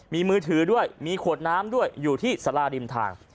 มีมือถือด้วยมีขวดน้ำด้วยอยู่ที่สาราริมทาง